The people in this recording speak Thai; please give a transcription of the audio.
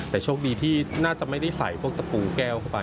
แต่โชคดีที่น่าจะไม่ได้ใส่พวกตะปูแก้วเข้าไป